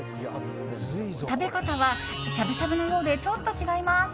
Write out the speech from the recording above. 食べ方は、しゃぶしゃぶのようでちょっと違います。